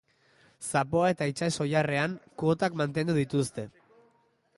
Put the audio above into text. Zapoa eta itsas oilarrean, kuotak mantendu dituzte.